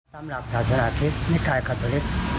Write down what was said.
ตามหลักศาสนาคริสต์นิกายคาทอลิก